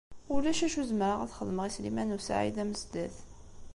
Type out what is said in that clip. Ulac acu zemreɣ ad t-xedmeɣ i Sliman u Saɛid Amezdat.